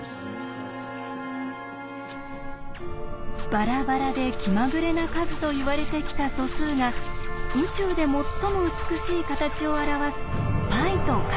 バラバラで気まぐれな数といわれてきた素数が宇宙で最も美しい形を表すπと関係がある。